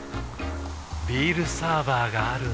ビールサーバーがある夏。